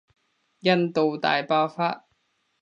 印度大爆發